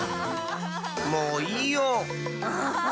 もういいよ！